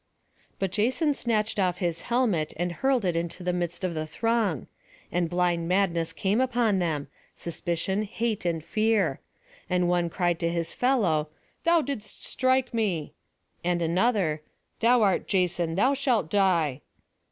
But Jason snatched off his helmet, and hurled it into the thickest of the throng. And blind madness came upon them, suspicion, hate, and fear; and one cried to his fellow, "Thou didst strike me!" and another, "Thou art Jason; thou shalt die!"